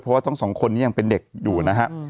เพราะว่าทั้งสองคนนี้ยังเป็นเด็กอยู่นะฮะ